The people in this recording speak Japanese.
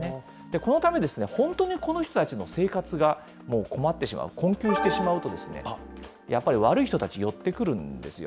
このため、本当にこの人たちの生活がもう困ってしまう、困窮してしまうと、やっぱり悪い人たち、寄ってくるんですよ。